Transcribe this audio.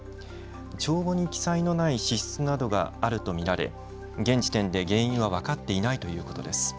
帳簿に記載のない支出などがあると見られ現時点で原因は分かっていないということです。